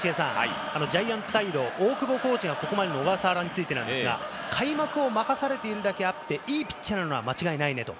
ジャイアンツサイド、大久保コーチがここまでの小笠原について、開幕を任されているだけあって良いピッチャーなのは間違いないねと。